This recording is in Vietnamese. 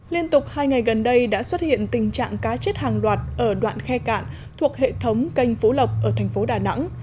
liên tục hai ngày gần đây đã xuất hiện tình trạng cá chết hàng loạt ở đoạn khe cạn thuộc hệ thống canh phú lộc ở thành phố đà nẵng